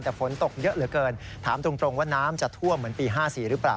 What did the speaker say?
แต่ฝนตกเยอะเหลือเกินถามตรงว่าน้ำจะท่วมเหมือนปี๕๔หรือเปล่า